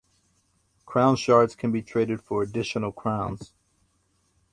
Crown Shards can be traded for additional Crowns.